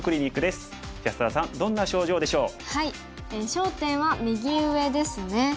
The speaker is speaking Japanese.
焦点は右上ですね。